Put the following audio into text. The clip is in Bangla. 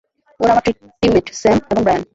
ওরা আমার টিমম্যাট, স্যাম এবং ব্রায়ান।